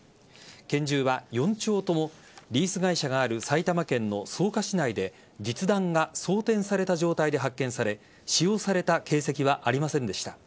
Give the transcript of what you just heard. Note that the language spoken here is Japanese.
拳銃は４丁ともリース会社がある埼玉県の草加市内で実弾が装填された状態で発見され使用された形跡はありませんでした。